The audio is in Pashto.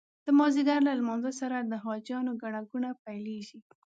د مازدیګر له لمانځه سره د حاجیانو ګڼه ګوڼه پیلېږي.